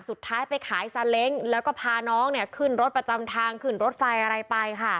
สุดท้ายไปขายซาเล้งแล้วก็พาน้องขึ้นรถประจำทางขึ้นรถไฟอะไรไปค่ะ